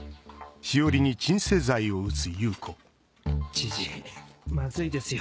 知事まずいですよ。